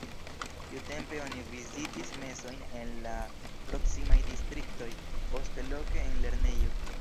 Tiutempe oni vizitis mesojn en la proksimaj distriktoj, poste loke en lernejo.